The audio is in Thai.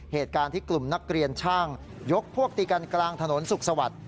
เหตุการณ์ที่กลุ่มนักเรียนช่างยกพวกตีกันกลางถนนสุขสวัสดิ์